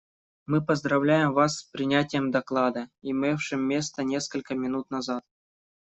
Мы поздравляем Вас с принятием доклада, имевшим место несколько минут назад.